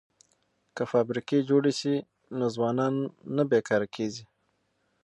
که فابریکې جوړې شي نو ځوانان نه بې کاره کیږي.